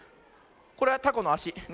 これはたこのあし。